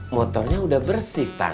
motornya udah bersih tang